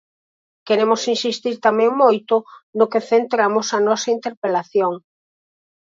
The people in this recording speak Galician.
Queremos insistir tamén moito no que centramos a nosa interpelación.